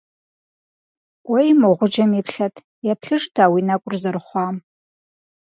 КӀуэи мо гъуджэм иплъэт, еплъыжыт а уи нэкӀур зэрыхъуам.